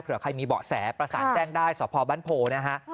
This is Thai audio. เพื่อใครมีเบาะแสประสานแจ้งได้สพบ้านโพนะฮะ